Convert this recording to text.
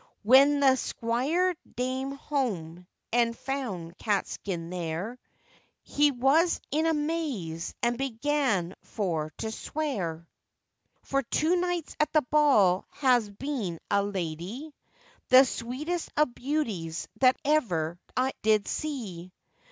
When the squire dame home, and found Catskin there, He was in amaze and began for to swear; 'For two nights at the ball has been a lady, The sweetest of beauties that ever I did see.